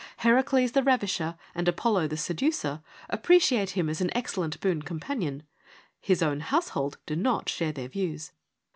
Heracles the ravisher, and Apollo the seducer, appreciate him as an excellent boon companion : his own household do not share their views.